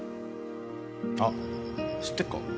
あっ知ってっか？